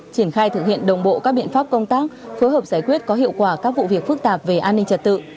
triển khai thực hiện đồng bộ các biện pháp công tác phối hợp giải quyết có hiệu quả các vụ việc phức tạp về an ninh trật tự